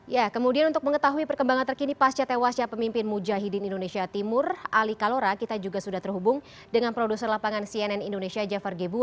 ya kemudian untuk mengetahui perkembangan terkini pasca tewasnya pemimpin mujahidin indonesia timur ali kalora kita juga sudah terhubung dengan produser lapangan cnn indonesia jafar gebu